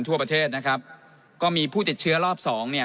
ทั่วประเทศนะครับก็มีผู้ติดเชื้อรอบสองเนี่ย